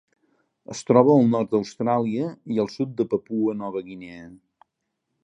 Es troba al nord d'Austràlia i al sud de Papua Nova Guinea.